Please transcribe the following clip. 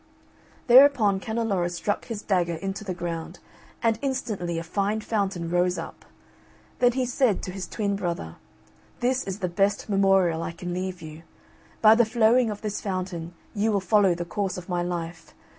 Thereupon Canneloro struck his dagger into the ground, and instantly a fine fountain rose up. Then said he to his twin brother, "This is the best memorial I can leave you. By the flowing of this fountain you will follow the course of my life.